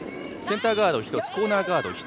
センターガード１つ、コーナーガード